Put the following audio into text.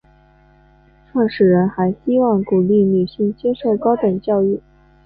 创始人还希望鼓励女性接受高等教育。